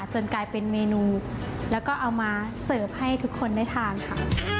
จนกลายเป็นเมนูแล้วก็เอามาเสิร์ฟให้ทุกคนได้ทานค่ะ